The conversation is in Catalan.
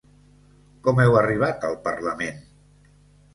Com heu arribat al parlament?